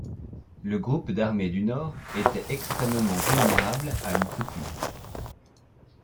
Le Groupe d'armées du Nord était extrêmement vulnérable à une coupure.